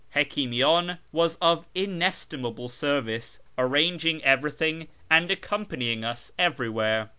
Heki mian was of inestimable service, arranging everything and accom panying us everywhere.